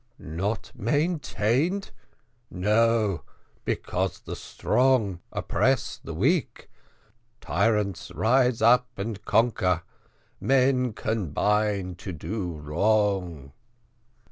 "Not maintained! no, because the strong oppress the weak, tyrants rise up and conquer men combine to do wrong."